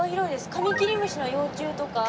カミキリムシの幼虫とか。